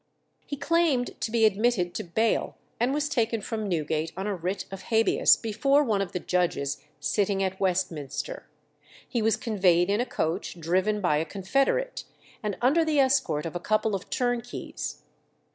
He claimed to be admitted to bail, and was taken from Newgate on a writ of habeas before one of the judges sitting at Westminster. He was conveyed in a coach driven by a confederate, and under the escort of a couple of turnkeys.